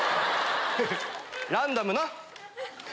ランダムな。